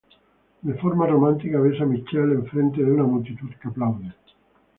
De forma romántica besa a Michelle en frente de una multitud que aplaude.